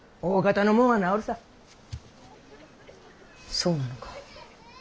そうなのか。